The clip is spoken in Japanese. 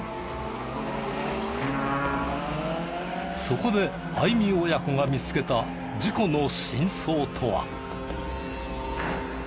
そこで相見親子が見つけた事故の真相とは。